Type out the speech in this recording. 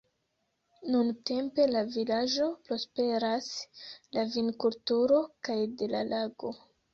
Nuntempe la vilaĝo prosperas de vinkulturo kaj de la lago.